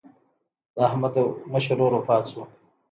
د احمد مشر ورور وفات شو.